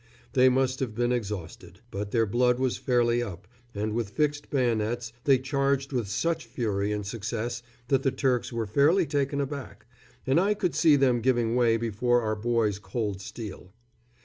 They must have been exhausted; but their blood was fairly up, and with fixed bayonets they charged with such fury and success that the Turks were fairly taken aback, and I could see them giving way before our boys' cold steel.